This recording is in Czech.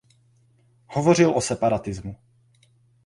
Hovořil o separatismu.